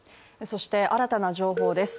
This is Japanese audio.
そして新たな情報です。